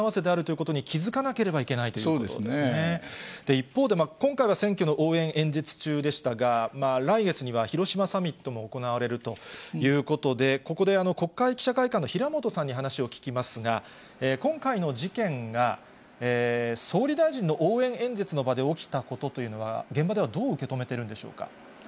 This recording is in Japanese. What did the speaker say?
一方で、今回は選挙の応援演説中でしたが、来月には広島サミットも行われるということで、ここで国会記者会館の平本さんに話を聞きますが、今回の事件が総理大臣の応援演説の場で起きたことというのは、現場ではどう受け止めているんでしょうか。